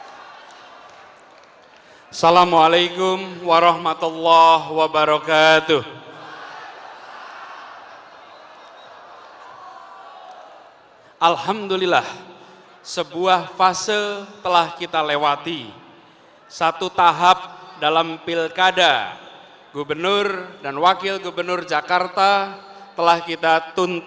assalamualaikum warahmatullahi wabarakatuh